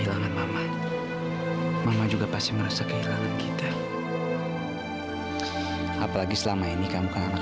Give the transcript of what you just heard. sampai jumpa di video selanjutnya